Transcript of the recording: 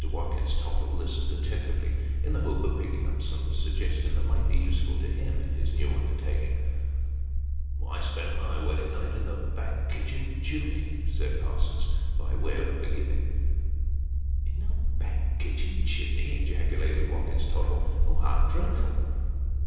Watkins Tottle listened attentively, in the hope of picking up some suggestion that might be useful to him in his new under taking. 334 SketcJies by Boz. "I spent my wedding night in a back kitchen chimney," said Parsons, by way of a beginning. " In a back kitchen chimney !" ejaculated Watkins Tottle. " How dreadful